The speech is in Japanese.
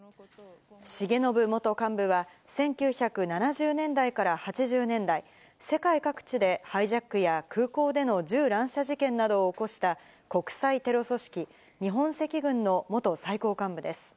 重信元幹部は、１９７０年代から８０年代、世界各地でハイジャックや空港での銃乱射事件などを起こした国際テロ組織、日本赤軍の元最高幹部です。